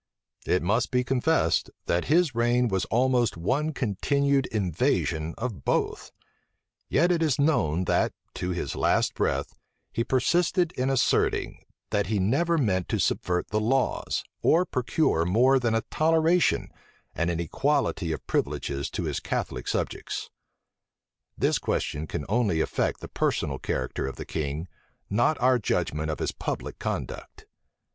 It must be confessed, that his reign was almost one continued invasion of both; yet it is known, that, to his last breath, he persisted in asserting, that he never meant to subvert the laws, or procure more than a toleration and an equality of privileges to his Catholic subjects. This question can only affect the personal character of the king, not our judgment of his public conduct.